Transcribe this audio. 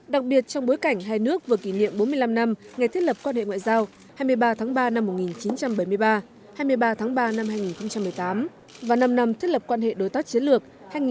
đặc biệt trong bối cảnh hai nước vừa kỷ niệm bốn mươi năm năm ngày thiết lập quan hệ ngoại giao hai mươi ba tháng ba năm một nghìn chín trăm bảy mươi ba hai mươi ba tháng ba năm hai nghìn một mươi tám và năm năm thiết lập quan hệ đối tác chiến lược hai nghìn một mươi ba hai nghìn một mươi tám